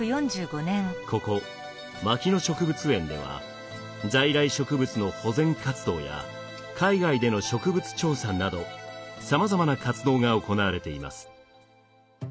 ここ牧野植物園では在来植物の保全活動や海外での植物調査などさまざまな活動が行われています。